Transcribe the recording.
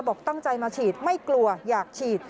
บอกตั้งใจมาฉีดไม่กลัวอยากฉีด